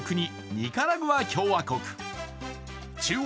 ニカラグア共和国中央